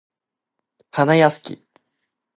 はなやしき